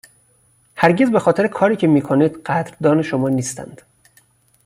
هرگز بخاطر کاری که می کنید قدردان شما نیستند.